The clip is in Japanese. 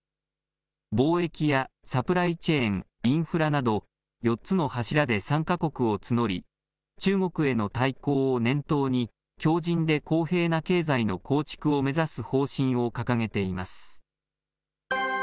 貿易やサプライチェーン、インフラなど４つの柱で参加国を募り、中国への対抗を念頭に、強じんで公平な経済の構築を目指す方針を掲げています。